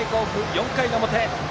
４回の表。